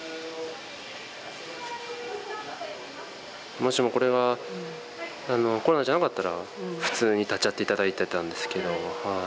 もしもこれがコロナじゃなかったら普通に立ち会って頂いてたんですけど。